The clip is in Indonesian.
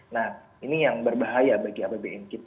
nah ini yang berbahaya bagi apbn kita